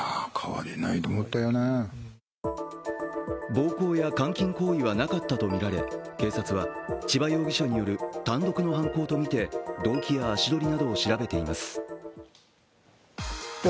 暴行や監禁行為はなかったとみられ、警察は千葉容疑者による単独の犯行とみて動機や足取りなどを調べています。